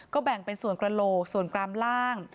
แบ่งเป็นส่วนกระโหลกส่วนกรามล่าง